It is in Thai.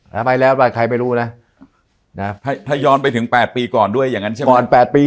ถ้าไปแล้วเป็นใครไม่รู้นะถ้าย้อนไปกัน๘ปีก่อนด้วยอย่างนั้นใช่ไหม